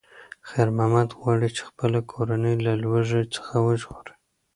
خیر محمد غواړي چې خپله کورنۍ له لوږې څخه وژغوري.